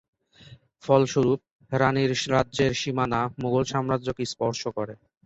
ফলস্বরূপ, রাণীর রাজ্যের সীমানা মুঘল সাম্রাজ্যকে স্পর্শ করে।